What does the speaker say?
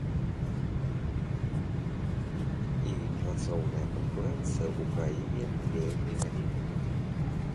І працоўная канкурэнцыя ў краіне вельмі вялікая.